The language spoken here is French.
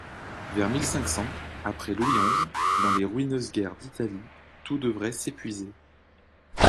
Vers mille cinq cents, après Louis onze, dans les ruineuses guerres d'Italie, tout devrait s'épuiser.